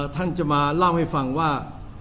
ท่านจะมาเล่าให้ฟังว่า